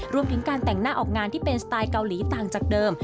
รวมถึงการแต่งหน้าออกงานที่เป็นสไตล์เกาหลีต่างจากเดิม